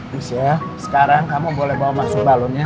michelle sekarang kamu boleh bawa masuk balonnya